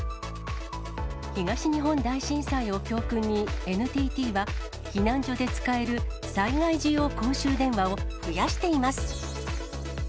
東日本大震災を教訓に、ＮＴＴは避難所で使える災害時用公衆電話を増やしています。